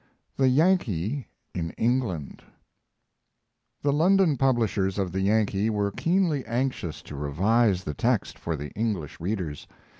THE "YANKEE" IN ENGLAND The London publishers of the Yankee were keenly anxious to revise the text for their English readers.